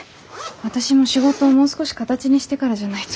私も仕事をもう少し形にしてからじゃないと。